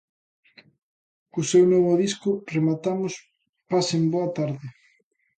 Co seu novo disco rematamos, pasen boa tarde.